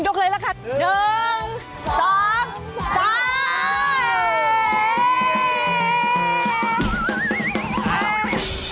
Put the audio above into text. หนึ่งสองสาม